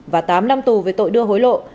và tám năm tù về tội đưa hối lộ